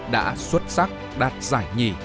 đã xuất sắc đạt giải nhì